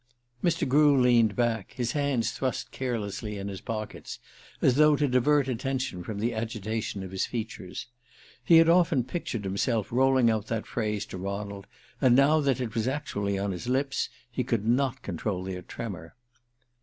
Mr. Grew leaned back, his hands thrust carelessly in his pockets, as though to divert attention from the agitation of his features. He had often pictured himself rolling out that phrase to Ronald, and now that it was actually on his lips he could not control their tremor.